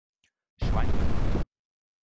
Schwein gehabt!